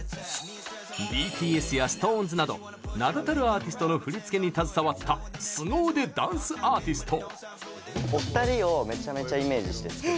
ＢＴＳやＳｉｘＴＯＮＥＳなど名だたるアーティストの振り付けに携わったスゴ腕ダンスアーティスト。